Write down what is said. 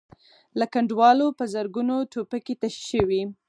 له کنډوالو په زرګونو ټوپکې تشې شوې.